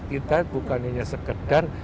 kita bukan hanya sekedar